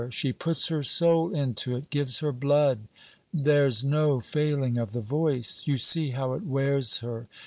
She puts her soul into it, gives her blood. There 's no failing of the voice. You see how it wears her.